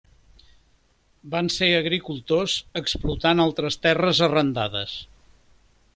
Van ser agricultors explotant altres terres arrendades.